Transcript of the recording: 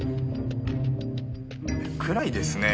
暗いですねえ。